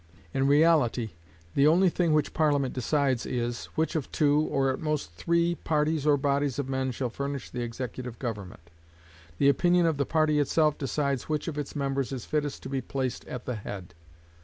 In reality, the only thing which Parliament decides is, which of two, or at most three, parties or bodies of men shall furnish the executive government: the opinion of the party itself decides which of its members is fittest to be placed at the head.